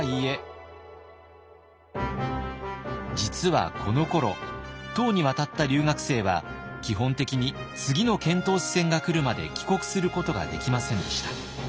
実はこのころ唐に渡った留学生は基本的に次の遣唐使船が来るまで帰国することができませんでした。